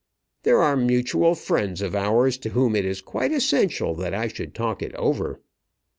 There are mutual friends of ours to whom it is quite essential that I should talk it over."